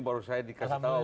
barus saya dikasih tahu